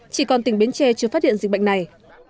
chỉ còn tỉnh bến tre chưa phát hiện dịch bệnh này